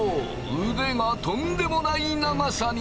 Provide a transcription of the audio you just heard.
腕がとんでもない長さに！